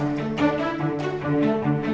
usir dia usir dia